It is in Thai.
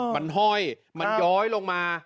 มันห้อยมันย้อยลงมา